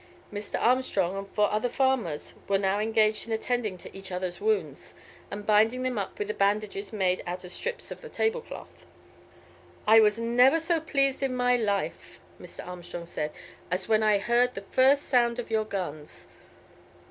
Mr. Armstrong and four other farmers were now engaged in attending to each other's wounds, and binding them up with bandages made out of strips of the table cloth. "I was never so pleased in my life," Mr. Armstrong said, "as when I heard the first sound of your guns.